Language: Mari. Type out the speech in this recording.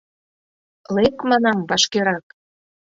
Лек, манам, вашкерак!